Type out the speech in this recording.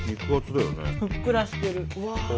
ふっくらしてる。